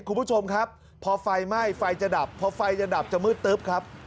คุณผู้ชมครับพอไฟไหม้ไฟจะดับพอไฟจะดับจะมืดตึ๊บครับ